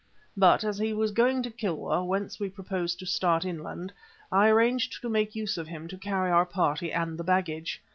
But as he was going to Kilwa whence we proposed to start inland, I arranged to make use of him to carry our party and the baggage.